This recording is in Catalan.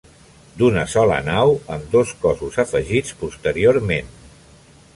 D'una sola nau, amb dos cossos afegits posteriorment.